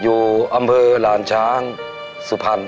อยู่อำเภอหลานช้างสุพรรณ